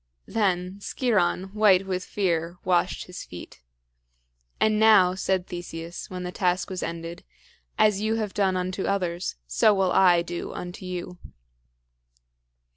Then Sciron, white with fear, washed his feet. "And now," said Theseus, when the task was ended, "as you have done unto others, so will I do unto you."